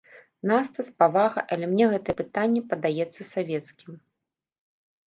Наста, з павагай, але мне гэтае пытанне падаецца савецкім.